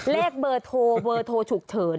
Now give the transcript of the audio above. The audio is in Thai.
เลขเบอร์โทรเบอร์โทรฉุกเฉิน